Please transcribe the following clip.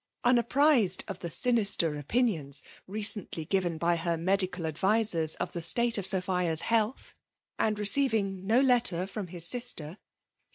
Unapprized of die' sinister opinions recently given by her medical advisers of the state of Sophia^s health, and receiving ijo letter . from his sister, hq..